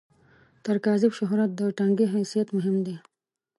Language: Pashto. تر کاذب شهرت، د ټنګي حیثیت مهم دی.